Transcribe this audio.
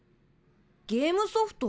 ゲームソフト？